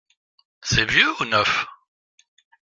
C’est vieux ou neuf ?